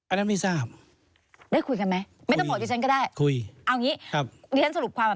อันนั้นไม่ทราบ